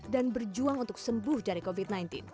dan berjuang untuk sembuh dari covid sembilan belas